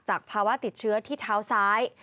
ภาวะติดเชื้อที่เท้าซ้าย